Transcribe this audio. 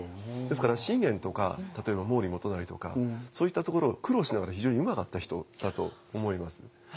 ですから信玄とか例えば毛利元就とかそういったところを苦労しながら非常にうまかった人だと思います。